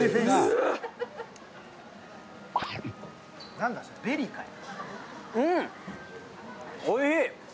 なんだそれ、ベリーかい？